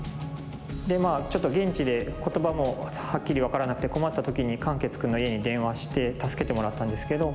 でまあちょっと現地で言葉もはっきり分からなくて困った時に漢傑くんの家に電話して助けてもらったんですけど。